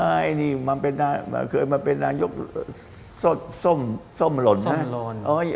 อันนี้เคยมาเป็นนักดยกส้มหล่น